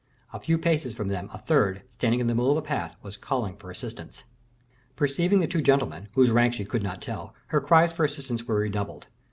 A few paces from them, a third, standing in the middle of the path, was calling for assistance. Perceiving the two gentlemen, whose rank she could not tell, her cries for assistance were redoubled.